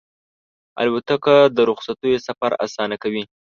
الوتکه د رخصتیو سفر اسانه کوي.